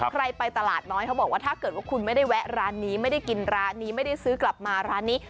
ไปตลาดน้อยเขาบอกว่าถ้าเกิดว่าคุณไม่ได้แวะร้านนี้ไม่ได้กินร้านนี้ไม่ได้ซื้อกลับมาร้านนี้